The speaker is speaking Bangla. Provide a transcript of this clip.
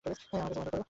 আমার কাছে ওয়াদা করো!